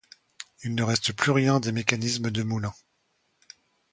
Il ne reste plus rien des mécanismes de moulin.